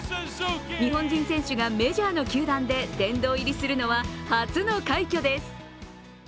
日本人選手がメジャーの球団で殿堂入りするのは初の快挙です。